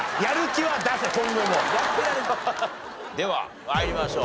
では参りましょう。